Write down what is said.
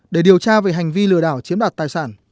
để điều tra về tội lừa đảo chiếm đoạt tài sản